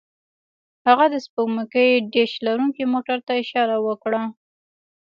هغه د سپوږمکۍ ډیش لرونکي موټر ته اشاره وکړه